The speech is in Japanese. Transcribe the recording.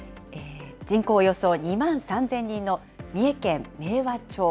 人口およそ２万３０００人の三重県明和町。